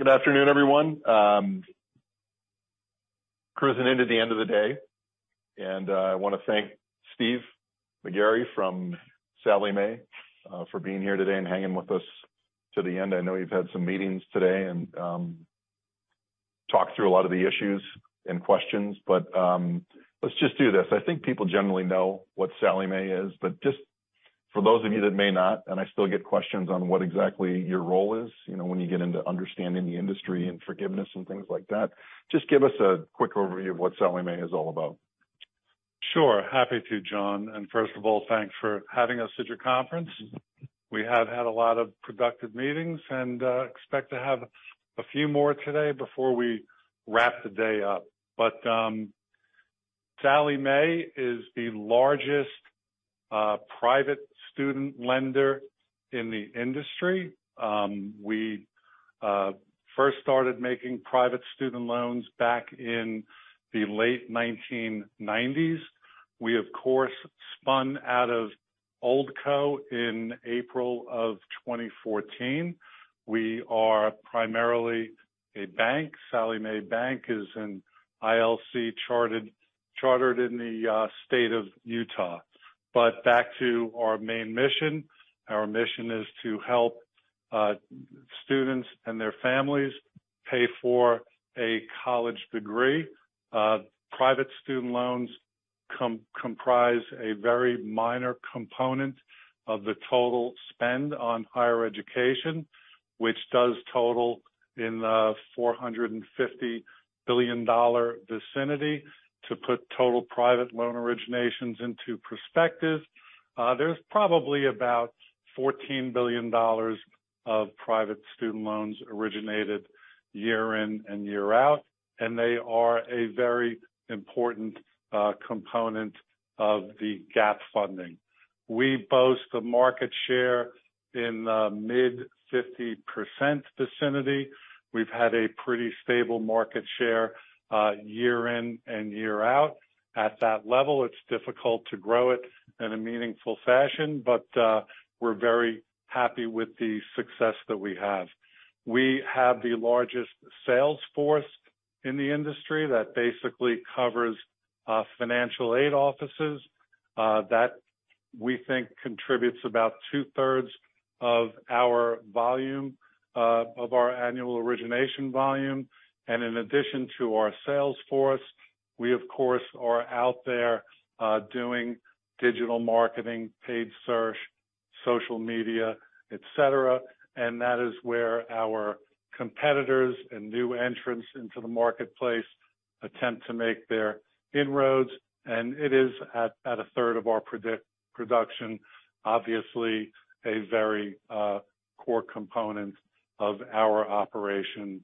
Good afternoon, everyone. Cruising into the end of the day. I wanna thank Steve McGarry from Sallie Mae for being here today and hanging with us to the end. I know you've had some meetings today and talked through a lot of the issues and questions. Let's just do this. I think people generally know what Sallie Mae is, but just for those of you that may not, and I still get questions on what exactly your role is, you know, when you get into understanding the industry and forgiveness and things like that, just give us a quick overview of what Sallie Mae is all about. Sure. Happy to, John. First of all, thanks for having us at your conference. We have had a lot of productive meetings and expect to have a few more today before we wrap the day up. Sallie Mae is the largest private student lender in the industry. We first started making private student loans back in the late 1990s. We, of course, spun out of OldCo in April of 2014. We are primarily a bank. Sallie Mae Bank is an ILC-chartered in the state of Utah. Back to our main mission. Our mission is to help students and their families pay for a college degree. Private student loans comprise a very minor component of the total spend on higher education, which does total in the $450 billion vicinity. To put total private loan originations into perspective, there's probably about $14 billion of private student loans originated year in and year out. They are a very important component of the gap funding. We boast a market share in the mid-50% vicinity. We've had a pretty stable market share year in and year out. At that level, it's difficult to grow it in a meaningful fashion, but we're very happy with the success that we have. We have the largest sales force in the industry that basically covers financial aid offices that we think contributes about 2/3 of our volume of our annual origination volume. In addition to our sales force, we, of course, are out there doing digital marketing, paid search, social media, et cetera. That is where our competitors and new entrants into the marketplace attempt to make their inroads. It is at a third of our production, obviously a very core component of our operation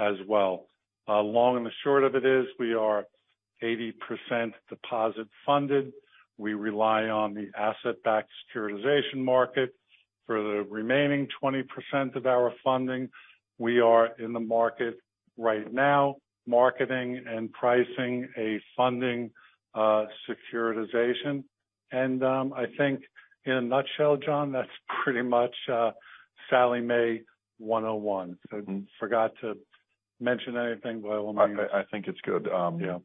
as well. Long and short of it is we are 80% deposit-funded. We rely on the asset-backed securitization market for the remaining 20% of our funding. We are in the market right now, marketing and pricing a funding securitization. I think in a nutshell, John, that's pretty much Sallie Mae 101. Forgot to mention anything by all means. I think it's good. Yeah.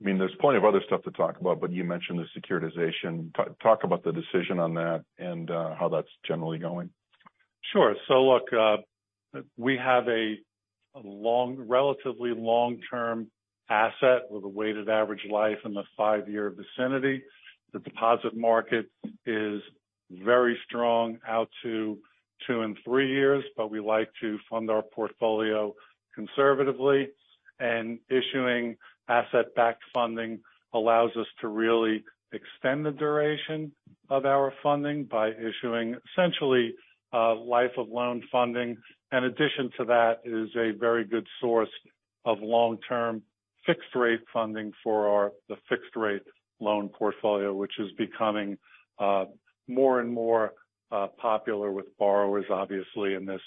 I mean, there's plenty of other stuff to talk about, but you mentioned the securitization. Talk about the decision on that and how that's generally going. Sure. Look, we have a relatively long-term asset with a weighted average life in the five-year vicinity. The deposit market is very strong out to two and three years, we like to fund our portfolio conservatively. Issuing asset-backed funding allows us to really extend the duration of our funding by issuing essentially life of loan funding. In addition to that is a very good source of long-term fixed rate funding for our fixed rate loan portfolio, which is becoming more and more popular with borrowers, obviously in this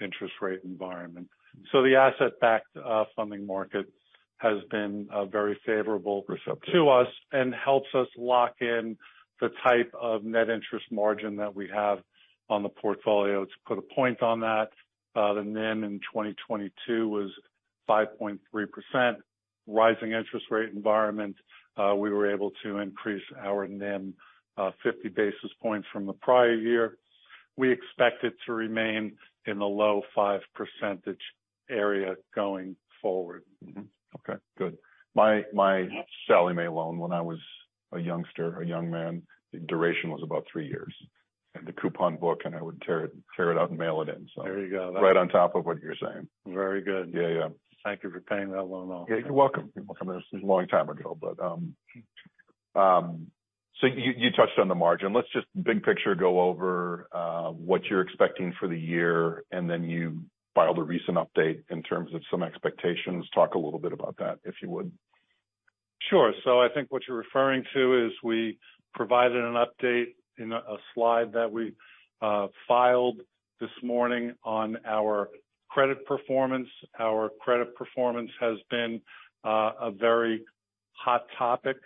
interest rate environment. The asset-backed funding market has been very favorable. Receptive to us and helps us lock in the type of net interest margin that we have on the portfolio. To put a point on that, the NIM in 2022 was 5.3%. Rising interest rate environment, we were able to increase our NIM 50 basis points from the prior year. We expect it to remain in the low five percentage area going forward. Okay, good. My Sallie Mae loan when I was a youngster, a young man, the duration was about three years. The coupon book, and I would tear it out and mail it in. There you go.... right on top of what you're saying. Very good. Yeah, yeah. Thank you for paying that loan off. Yeah, you're welcome. You're welcome. It was a long time ago. You, you touched on the margin. Let's just big picture go over what you're expecting for the year, then you filed a recent update in terms of some expectations. Talk a little bit about that, if you would. Sure. I think what you're referring to is we provided an update in a slide that we filed this morning on our credit performance. Our credit performance has been a very hot topic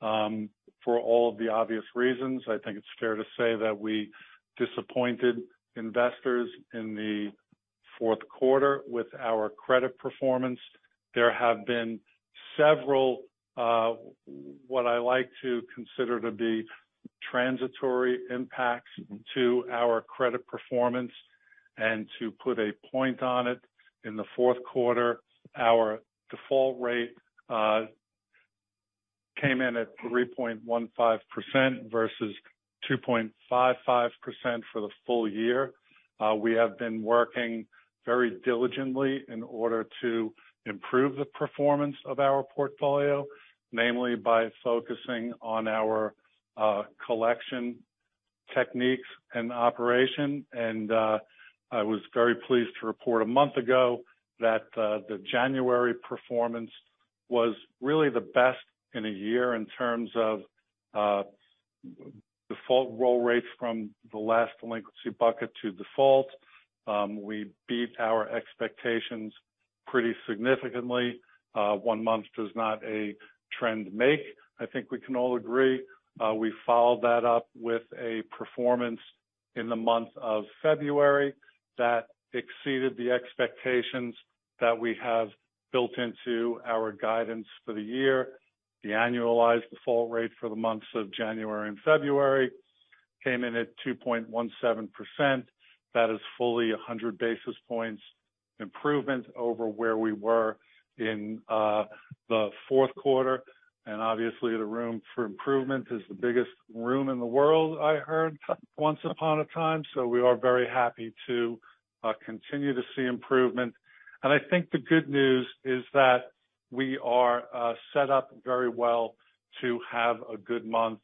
for all of the obvious reasons. I think it's fair to say that we disappointed investors in the fourth quarter with our credit performance. There have been several what I like to consider to be transitory impacts to our credit performance, and to put a point on it, in the fourth quarter, our default rate came in at 3.15% versus 2.55% for the full year. We have been working very diligently in order to improve the performance of our portfolio, namely by focusing on our collection techniques and operation. I was very pleased to report a month ago that the January performance was really the best in a year in terms of default roll rates from the last delinquency bucket to default. We beat our expectations pretty significantly. One month does not a trend make. I think we can all agree, we followed that up with a performance in the month of February that exceeded the expectations that we have built into our guidance for the year. The annualized default rate for the months of January and February came in at 2.17%. That is fully 100 basis points improvement over where we were in the fourth quarter. Obviously, the room for improvement is the biggest room in the world, I heard once upon a time. We are very happy to continue to see improvement. I think the good news is that we are set up very well to have a good month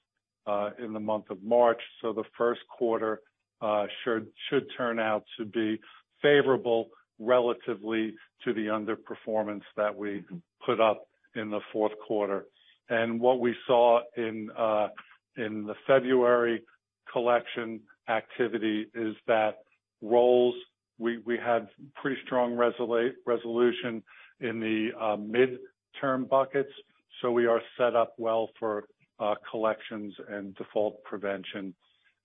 in the month of March. The first quarter should turn out to be favorable relatively to the underperformance that we put up in the fourth quarter. What we saw in the February collection activity is that rolls. We had pretty strong resolution in the midterm buckets, so we are set up well for collections and default prevention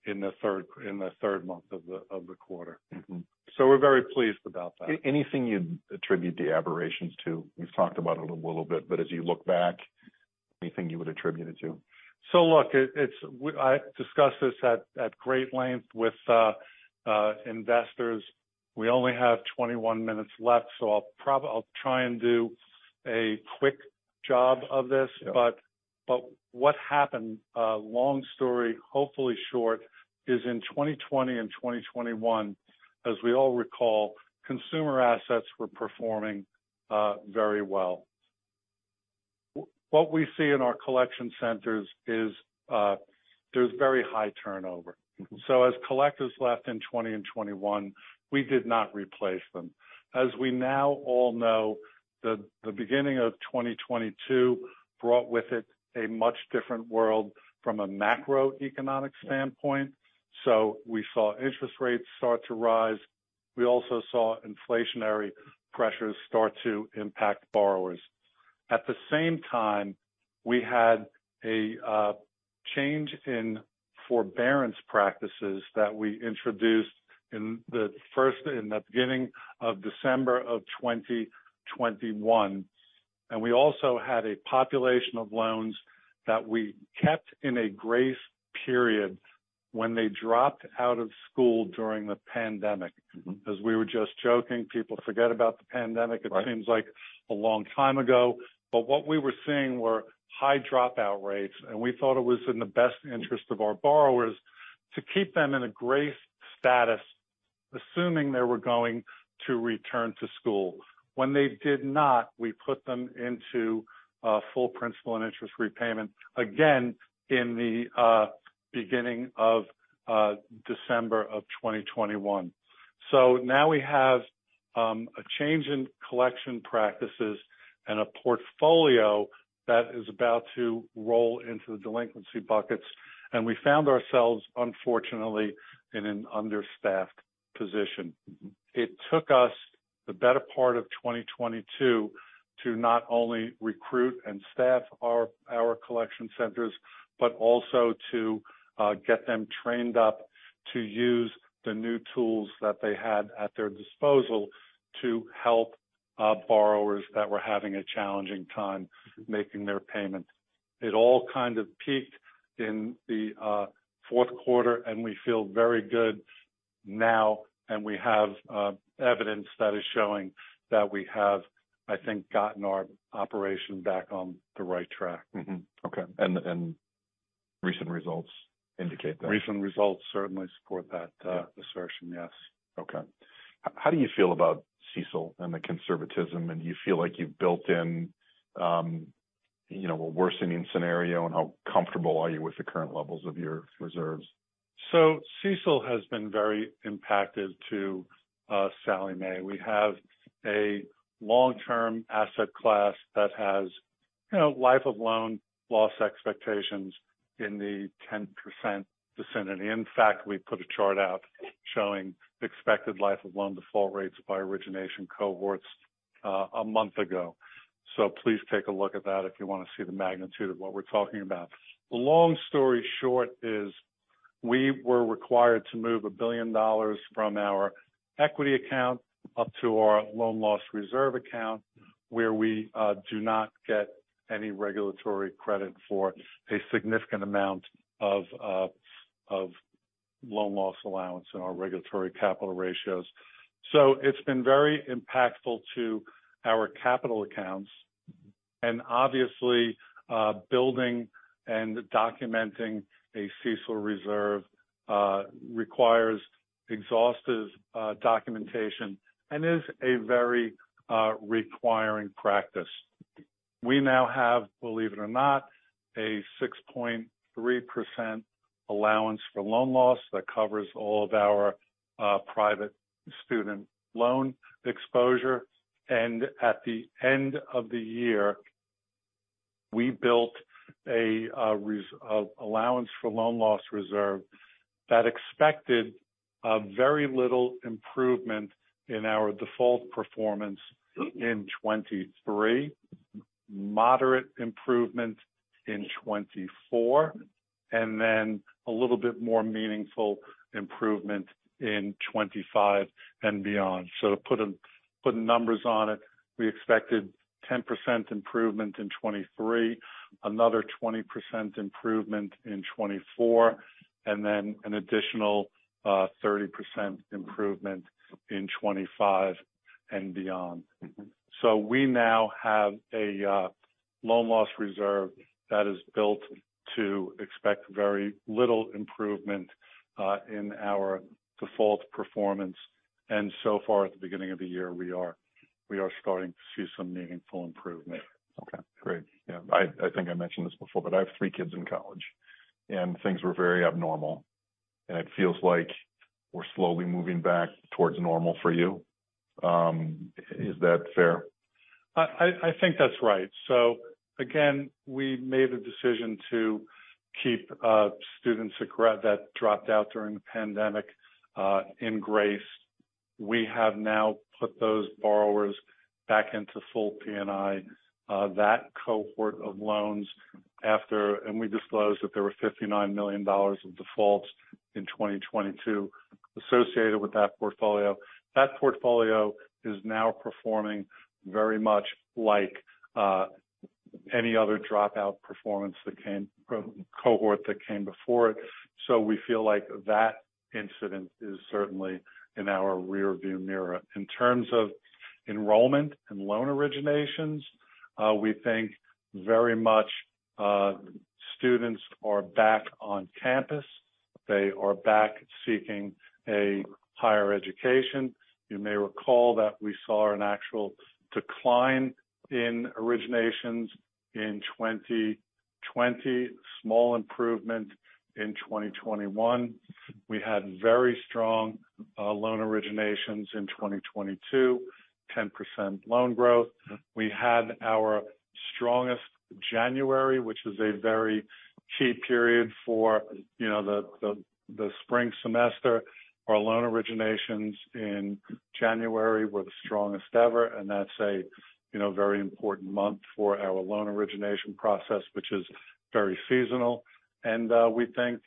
in the third month of the quarter. Mm-hmm. We're very pleased about that. Anything you'd attribute the aberrations to? We've talked about it a little bit, but as you look back, anything you would attribute it to? Look, I discussed this at great length with investors. We only have 21 minutes left, I'll try and do a quick job of this. Yeah. What happened, long story, hopefully short, is in 2020 and 2021, as we all recall, consumer assets were performing very well. What we see in our collection centers is, there's very high turnover. Mm-hmm. As collectors left in 20 and 21, we did not replace them. As we now all know, the beginning of 2022 brought with it a much different world from a macroeconomic standpoint. We saw interest rates start to rise. We also saw inflationary pressures start to impact borrowers. At the same time, we had a change in forbearance practices that we introduced in the beginning of December of 2021. We also had a population of loans that we kept in a grace period when they dropped out of school during the pandemic. Mm-hmm. As we were just joking, people forget about the pandemic. Right. It seems like a long time ago. What we were seeing were high dropout rates, and we thought it was in the best interest of our borrowers to keep them in a grace status, assuming they were going to return to school. When they did not, we put them into full principal and interest repayment, again in the beginning of December of 2021. Now we have a change in collection practices and a portfolio that is about to roll into the delinquency buckets, and we found ourselves, unfortunately, in an understaffed position. Mm-hmm. It took us the better part of 2022 to not only recruit and staff our collection centers, but also to get them trained up to use the new tools that they had at their disposal to help borrowers that were having a challenging time making their payments. It all kind of peaked in the fourth quarter, and we feel very good now, and we have evidence that is showing that we have, I think, gotten our operation back on the right track. Mm-hmm. Okay. Recent results indicate that. Recent results certainly support that, assertion, yes. Okay. How do you feel about CECL and the conservatism, and you feel like you've built in, you know, a worsening scenario, and how comfortable are you with the current levels of your reserves? CECL has been very impacted to Sallie Mae. We have a long-term asset class that has, you know, life-of-loan loss expectations. In the 10% vicinity. In fact, we put a chart out showing expected life of loan default rates by origination cohorts a month ago. Please take a look at that if you want to see the magnitude of what we're talking about. The long story short is we were required to move $1 billion from our equity account up to our loan loss reserve account, where we do not get any regulatory credit for a significant amount of loan loss allowance in our regulatory capital ratios. It's been very impactful to our capital accounts and obviously, building and documenting a CECL reserve requires exhaustive documentation and is a very requiring practice. We now have, believe it or not, a 6.3% allowance for loan loss that covers all of our private student loan exposure. At the end of the year, we built a allowance for loan loss reserve that expected very little improvement in our default performance in 2023, moderate improvement in 2024, and then a little bit more meaningful improvement in 2025 and beyond. To put numbers on it, we expected 10% improvement in 2023, another 20% improvement in 2024, and then an additional 30% improvement in 2025 and beyond. We now have a loan loss reserve that is built to expect very little improvement in our default performance. So far at the beginning of the year, we are starting to see some meaningful improvement. Okay, great. Yeah, I think I mentioned this before, but I have three kids in college and things were very abnormal and it feels like we're slowly moving back towards normal for you. Is that fair? I think that's right. Again, we made a decision to keep students that dropped out during the pandemic in grace. We have now put those borrowers back into full PNI. That cohort of loans and we disclosed that there were $59 million of defaults in 2022 associated with that portfolio. That portfolio is now performing very much like any other dropout cohort that came before it. We feel like that incident is certainly in our rearview mirror. In terms of enrollment and loan originations, we think very much students are back on campus. They are back seeking a higher education. You may recall that we saw an actual decline in originations in 2020. Small improvement in 2021. We had very strong loan originations in 2022, 10% loan growth. We had our strongest January, which is a very key period for, you know, the spring semester. Our loan originations in January were the strongest ever. That's a, you know, very important month for our loan origination process, which is very seasonal. We think,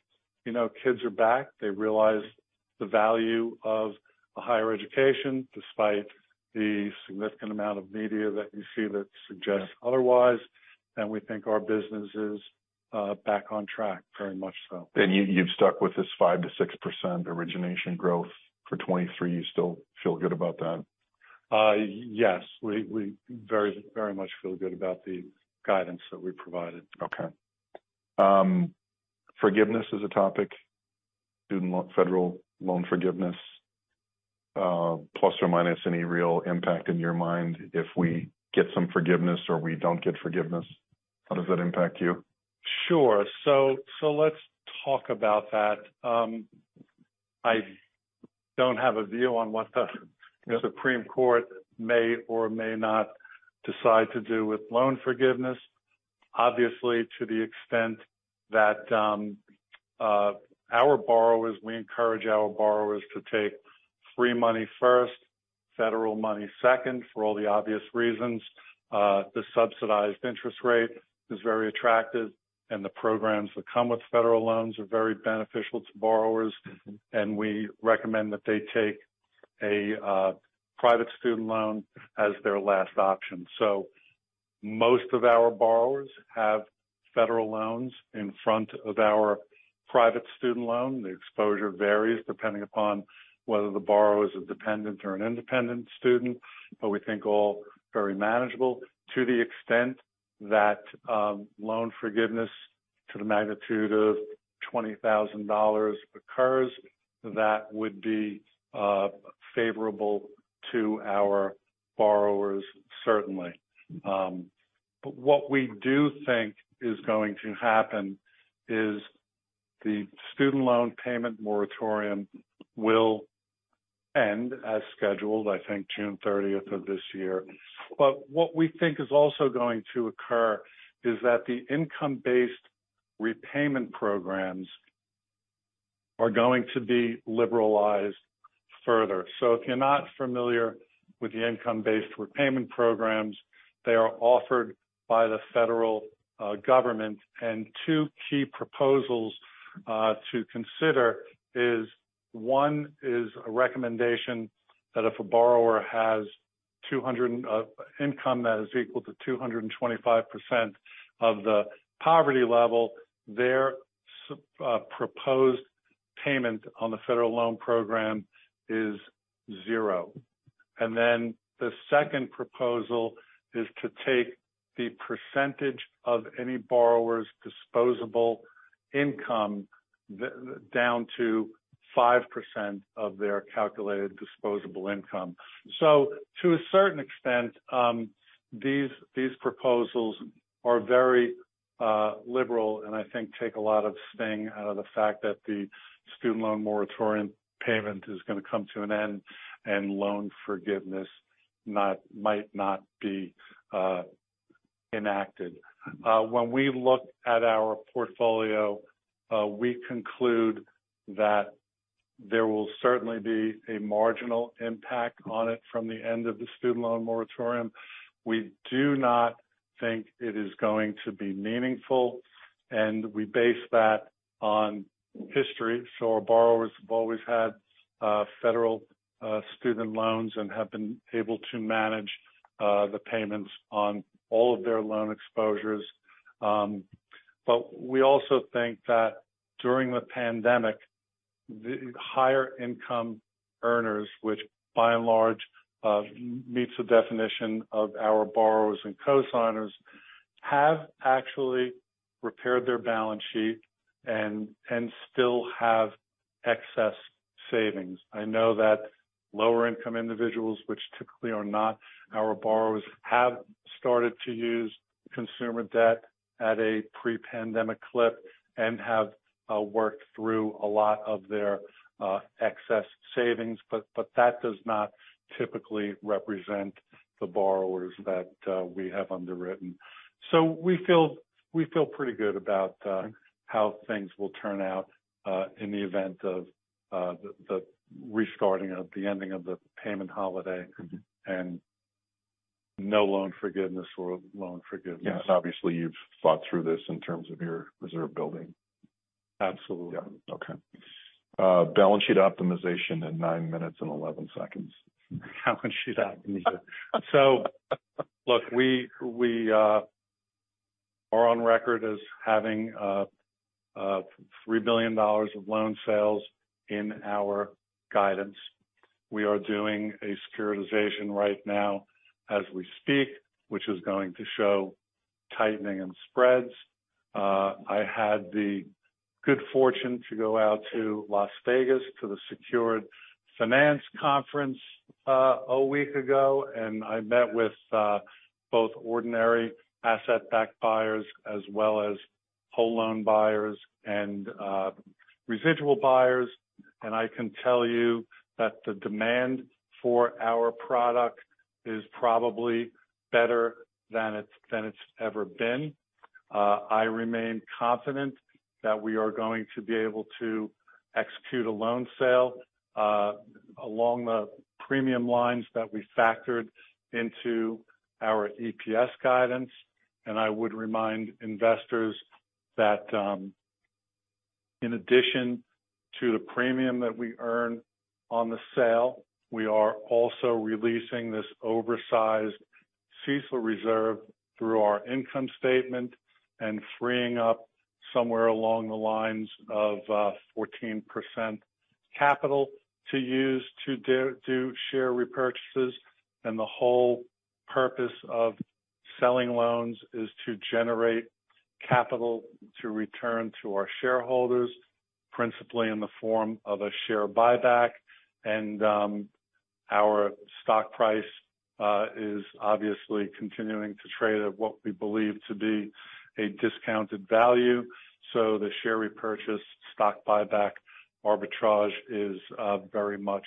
you know, kids are back. They realize the value of a higher education despite the significant amount of media that you see that suggests otherwise. We think our business is back on track. Very much so. You've stuck with this 5%-6% origination growth for 2023. You still feel good about that? Yes. We very much feel good about the guidance that we provided. Forgiveness is a topic. Federal loan forgiveness. plus or minus any real impact in your mind if we get some forgiveness or we don't get forgiveness, how does that impact you? Sure. Let's talk about that. I don't have a view on what the Supreme Court may or may not decide to do with loan forgiveness. Obviously, to the extent that our borrowers, we encourage our borrowers to take free money first, federal money second, for all the obvious reasons. The subsidized interest rate is very attractive and the programs that come with federal loans are very beneficial to borrowers, and we recommend that they take a private student loan as their last option. Most of our borrowers have federal loans in front of our private student loan. The exposure varies depending upon whether the borrower is a dependent or an independent student. We think all very manageable to the extent that loan forgiveness to the magnitude of $20,000 occurs. That would be favorable to our borrowers, certainly. What we do think is going to happen is the student loan payment moratorium will end as scheduled, I think June 30th of this year. What we think is also going to occur is that the income-based repayment programs are going to be liberalized further. If you're not familiar with the income-based repayment programs, they are offered by the federal government. Two key proposals to consider is one is a recommendation that if a borrower has 200 income that is equal to 225% of the federal poverty level, their proposed payment on the federal loan program is zero. The second proposal is to take the percentage of any borrower's disposable income down to 5% of their calculated disposable income. to a certain extent, these proposals are very liberal and I think take a lot of sting out of the fact that the student loan payment moratorium is gonna come to an end and loan forgiveness not, might not be enacted. We look at our portfolio, we conclude that there will certainly be a marginal impact on it from the end of the student loan moratorium. We do not think it is going to be meaningful, and we base that on history. Our borrowers have always had federal student loans and have been able to manage the payments on all of their loan exposures. We also think that during the pandemic, the higher income earners, which by and large, meets the definition of our borrowers and cosigners, have actually repaired their balance sheet and still have excess savings. I know that lower income individuals, which typically are not our borrowers, have started to use consumer debt at a pre-pandemic clip and have worked through a lot of their excess savings, but that does not typically represent the borrowers that we have underwritten. We feel pretty good about how things will turn out in the event of the restarting of the ending of the payment holiday. Mm-hmm. no loan forgiveness or loan forgiveness. Yeah. obviously you've thought through this in terms of your reserve building. Absolutely. Yeah. Okay. Balance sheet optimization in nine minutes and 11 seconds. Balance sheet optimization. Look, we are on record as having $3 billion of loan sales in our guidance. We are doing a securitization right now as we speak, which is going to show tightening in spreads. I had the good fortune to go out to Las Vegas to the Secured Finance Conference a week ago, and I met with both ordinary asset-backed buyers as well as whole loan buyers and residual buyers. I can tell you that the demand for our product is probably better than it's ever been. I remain confident that we are going to be able to execute a loan sale along the premium lines that we factored into our EPS guidance. I would remind investors that, in addition to the premium that we earn on the sale, we are also releasing this oversized CECL reserve through our income statement and freeing up somewhere along the lines of 14% capital to use to do share repurchases. The whole purpose of selling loans is to generate capital to return to our shareholders, principally in the form of a share buyback. Our stock price is obviously continuing to trade at what we believe to be a discounted value. The share repurchase stock buyback arbitrage is very much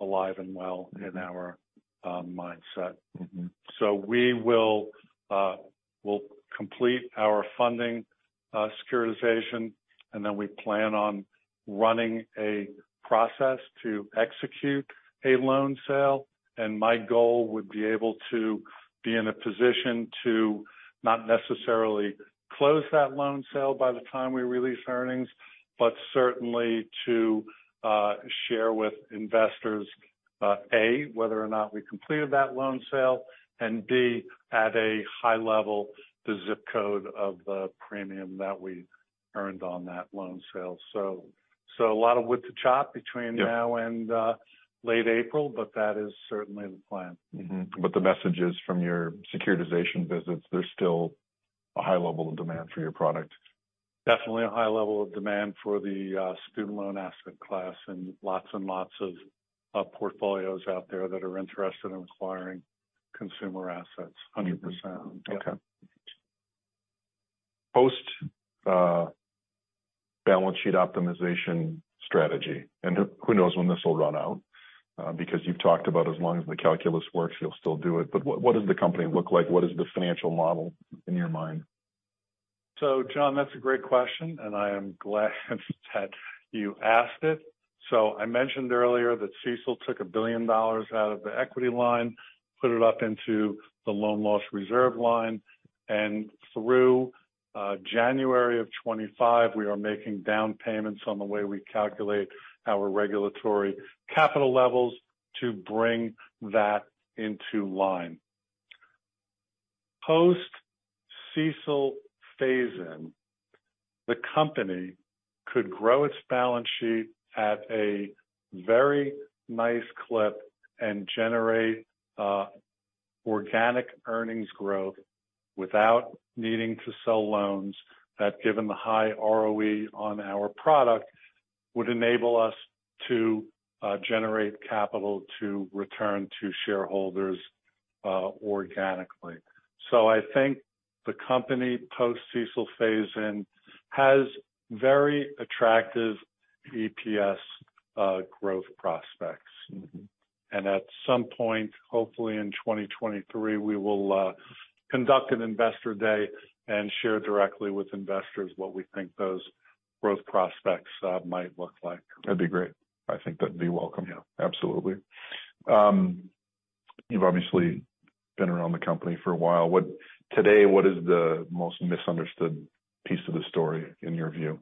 alive and well in our mindset. Mm-hmm. We will, we'll complete our funding, securitization, and then we plan on running a process to execute a loan sale. My goal would be able to be in a position to not necessarily close that loan sale by the time we release earnings, but certainly to share with investors A, whether or not we completed that loan sale, and B, at a high level, the zip code of the premium that we've earned on that loan sale. A lot of wood to chop between now- Yeah. Late April, but that is certainly the plan. The message is from your securitization visits, there's still a high level of demand for your product. Definitely a high level of demand for the student loan asset class, and lots and lots of portfolios out there that are interested in acquiring consumer assets, 100%. Okay. Post, balance sheet optimization strategy. Who knows when this will run out? Because you've talked about as long as the calculus works, you'll still do it. What does the company look like? What is the financial model in your mind? John, that's a great question, and I am glad that you asked it. I mentioned earlier that CECL took $1 billion out of the equity line, put it up into the loan loss reserve line. Through January of 2025, we are making down payments on the way we calculate our regulatory capital levels to bring that into line. Post CECL phase-in, the company could grow its balance sheet at a very nice clip and generate organic earnings growth without needing to sell loans that, given the high ROE on our product, would enable us to generate capital to return to shareholders organically. I think the company post-CECL phase-in has very attractive EPS growth prospects. Mm-hmm. At some point, hopefully in 2023, we will conduct an investor day and share directly with investors what we think those growth prospects might look like. That'd be great. I think that'd be welcome. Yeah. Absolutely. You've obviously been around the company for a while. Today, what is the most misunderstood piece of the story in your view?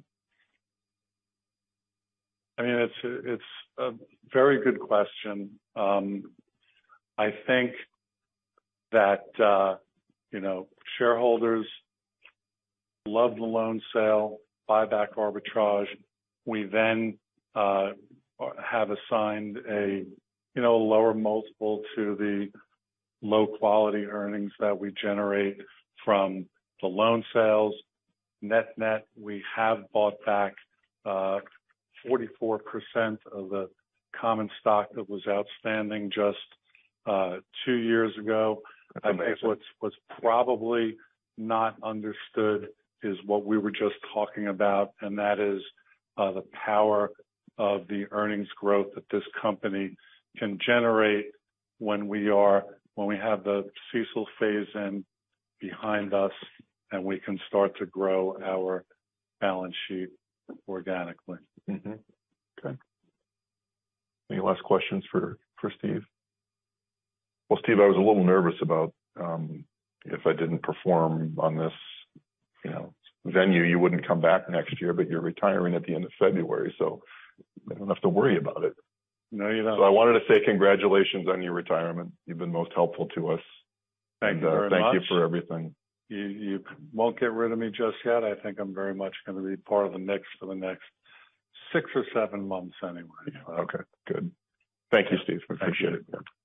I mean, it's a very good question. I think that, you know, shareholders love the loan sale, buyback arbitrage. We have assigned a, you know, lower multiple to the low-quality earnings that we generate from the loan sales. Net-net, we have bought back 44% of the common stock that was outstanding just two years ago. That's amazing. I think what's probably not understood is what we were just talking about, and that is, the power of the earnings growth that this company can generate when we have the CECL phase-in behind us, and we can start to grow our balance sheet organically. Okay. Any last questions for Steve? Well, Steve, I was a little nervous about, if I didn't perform on this, you know, venue, you wouldn't come back next year, but you're retiring at the end of February, so I don't have to worry about it. No, you don't. I wanted to say congratulations on your retirement. You've been most helpful to us. Thank you very much. Thank you for everything. You won't get rid of me just yet. I think I'm very much gonna be part of the mix for the next six or seven months anyway. Okay, good. Thank you, Steve. We appreciate it.